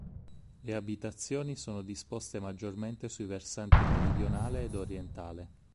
Le abitazioni sono disposte maggiormente sui versanti meridionale ed orientale.